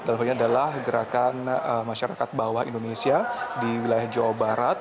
dan itu adalah gerakan masyarakat bawah indonesia di wilayah jawa barat